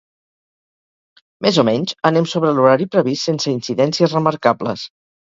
Més o menys, anem sobre l'horari previst sense incidències remarcables.